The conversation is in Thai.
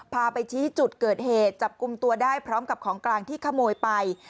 พาไปชี้จุดเกิดเหตุจับกลุ่มตัวได้พร้อมกับของกลางที่ขโมยไป